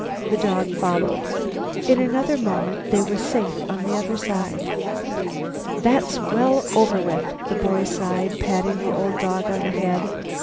The dog followed. In another moment they were safe on the other side. "That's well over with," the boy sighed, patting the old dog on the head.